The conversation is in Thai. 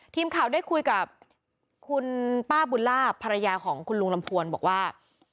ทีมข่าวได้คุยกับคุณป้าบุญลาบภรรยาของคุณลุงลำพวนบอกว่า